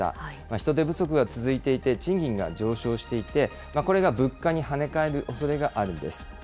人手不足が続いていて、賃金が上昇していて、これが物価に跳ね返るおそれがあるんです。